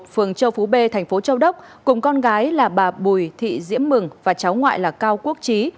phường châu phú b thành phố châu đốc cùng con gái là bà bùi thị diễm mừng và cháu ngoại là cao quốc trí